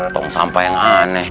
tong sampah yang aneh